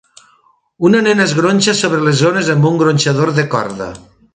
Una nena es gronxa sobre les ones amb un gronxador de corda.